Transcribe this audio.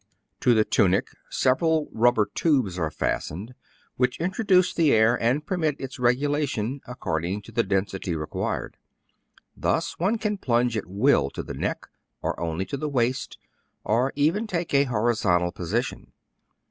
To the tunic sev eral rubber tubes are fastened, which introduce the air, and permit of its regulation, according to the density desired. Thus one can plunge at will to the neck or only to the waist, or even take a hori zontal position.